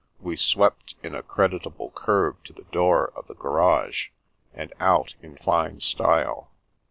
— we swept in a creditable curve to the door of the garage, and out in fine style.